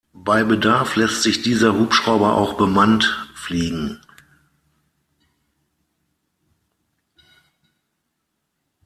Bei Bedarf lässt sich dieser Hubschrauber auch bemannt fliegen.